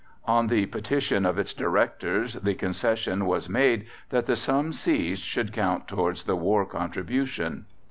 On the petition of its directors the concession was made that the sum seized should count towards the war contribution.